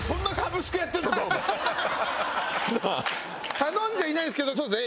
頼んじゃいないんですけどそうですね。